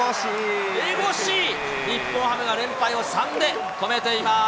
江越、日本ハムが連敗を３で止めています。